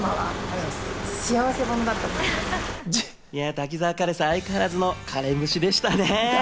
滝沢カレンさん、相変わらずのカレン節でしたね。